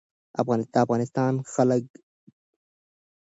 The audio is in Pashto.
د افغانستان جلکو د افغانستان د دوامداره پرمختګ لپاره اړین دي.